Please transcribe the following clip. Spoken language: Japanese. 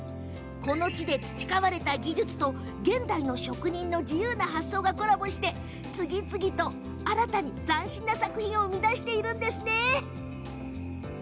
この地で培われた技術と現代の職人の自由な発想がコラボして次々と新たな作品を生み出しているんですね。